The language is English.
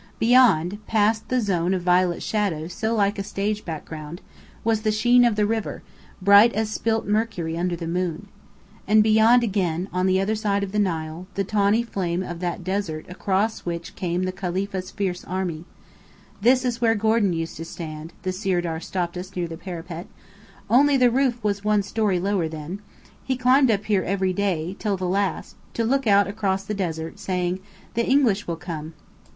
Beyond past the zone of violet shadow so like a stage background was the sheen of the river, bright as spilt mercury under the moon. And beyond again, on the other side of the Nile, the tawny flame of that desert across which came the Khalifa's fierce army. "This is where Gordon used to stand," the Sirdar stopped us near the parapet. "Only the roof was one story lower then. He climbed up here every day, till the last, to look out across the desert, saying: 'The English will come!'